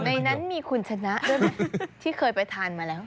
ในนั้นมีคุณชนะด้วยไหมที่เคยไปทานมาแล้ว